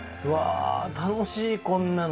楽しいこんなの。